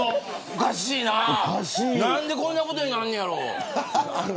おかしいな何でこんなことになんねやろ